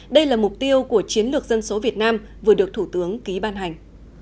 đây là mục tiêu của chiến lược dân số việt nam vừa được thủ tướng ký ban hành